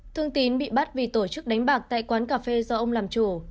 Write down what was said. thương tín bị bắt vì tổ chức đánh bạc tại quán cà phê do ông làm chủ